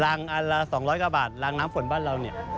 รังอันล่ะ๒๐๐กว่าบาทรังน้ำฝนบ้านเรา